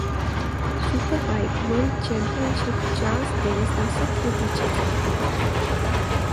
super bike world championship Chaz Davies نے سب کو پیچھے چھوڑ دیا